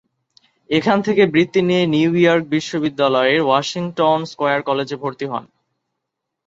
এখান থেকে বৃত্তি নিয়ে নিউ ইয়র্ক বিশ্ববিদ্যালয়ের ওয়াশিংটন স্কয়ার কলেজে ভর্তি হন।